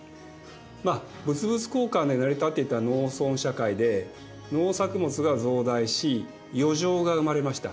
まあ物々交換で成り立っていた農村社会で農作物が増大し余剰が生まれました。